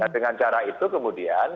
dengan cara itu kemudian